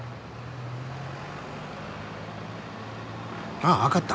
ああ分かった。